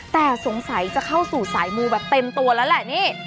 แต่สงสัยจะเข้าสู่สายมูแบบเต็มตัวแล้วแหละนี่